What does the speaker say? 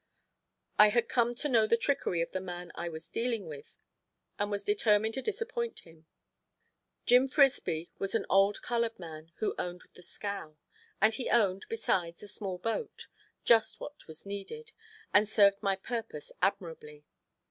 I had come to know the trickery of the man I was dealing with and was determined to disappoint him. Jim Frisby was an old colored man who owned the scow, and he owned, besides, a small boat—just what was needed, and served my purpose admirably.